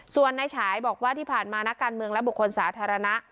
ส่วนนายฉายบอกว่าที่ผ่านมานักการเมืองและบุคคลสาธารณะ